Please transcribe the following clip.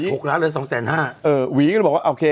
หวีก็เลยบอกว่าโอเค